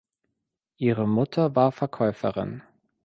Ihre Mutter war Verkäuferin.